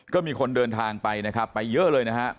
ก็มีคนเดินทางไปนะครับไปเยอะเลยนะครับ